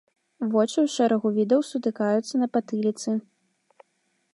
Вочы ў шэрагу відаў сутыкаюцца на патыліцы.